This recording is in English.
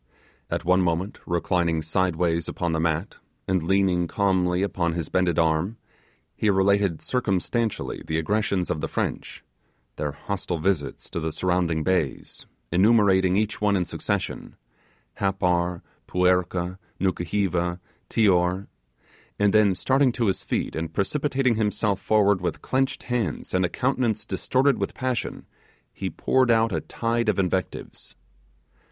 At one moment reclining sideways upon the mat, and leaning calmly upon his bended arm, he related circumstantially the aggressions of the French their hostile visits to the surrounding bays, enumerating each one in succession Happar, Puerka, Nukuheva, Tior, and then starting to his feet and precipitating himself forward with clenched hands and a countenance distorted with passion, he poured out a tide of invectives.